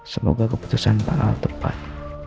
semoga keputusan pak al tepat